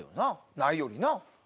ないよりなぁ？